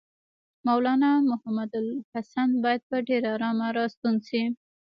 مولنا محمودالحسن باید په ډېره آرامه راستون شي.